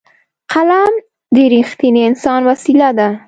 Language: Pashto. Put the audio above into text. قلم د رښتیني انسان وسېله ده